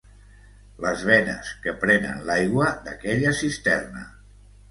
Les venes que prenen l'aigua d'aquella cisterna